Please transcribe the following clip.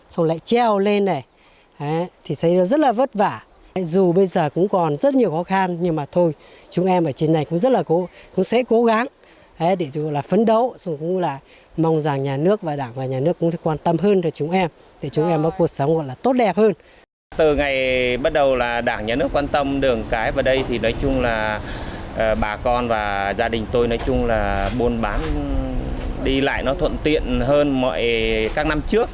từ ngày bắt đầu là đảng nhà nước quan tâm đường cái vào đây thì nói chung là bà con và gia đình tôi nói chung là buôn bán đi lại nó thuận tiện hơn mọi các năm trước